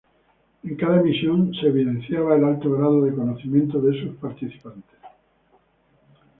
En cada emisión se evidenciaba el alto grado de conocimiento de sus participantes.